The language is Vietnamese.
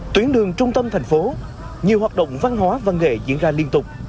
tuyến đường trung tâm thành phố nhiều hoạt động văn hóa văn nghệ diễn ra liên tục